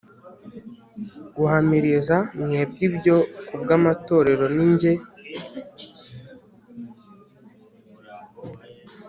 guhamiriza mwebwe ibyo ku bw’amatorero Ni jye